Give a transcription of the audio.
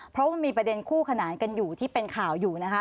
เพราะว่ามีประเด็นคู่ขนานกันอยู่ที่เป็นข่าวอยู่นะคะ